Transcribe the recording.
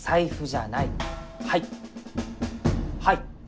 はい。